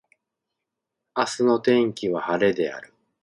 明日の天気は晴れである。